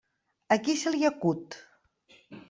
A qui se li acut!